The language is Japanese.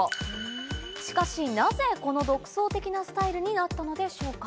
しかしなぜこの独創的なスタイルになったのでしょうか？